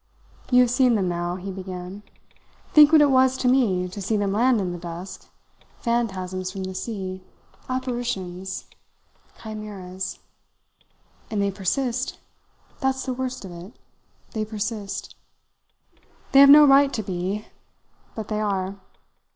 "You have seen them now," he began. "Think what it was to me to see them land in the dusk, fantasms from the sea apparitions, chimeras! And they persist. That's the worst of it they persist. They have no right to be but they are.